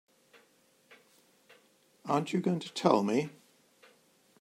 Aren't you going to tell me?